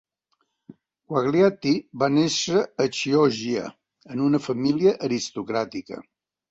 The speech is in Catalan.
Quagliati va néixer a Chioggia en una família aristocràtica.